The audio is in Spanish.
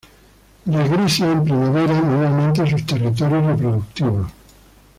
Regresa en la primavera nuevamente a sus territorios reproductivos.